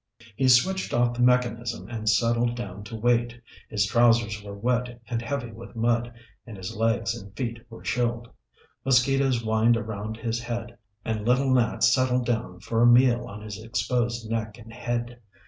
He switched off the mechanism and settled down to wait. His trousers were wet and heavy with mud, and his legs and feet were chilled. Mosquitoes whined around his head and little gnats settled down for a meal on his exposed neck and head.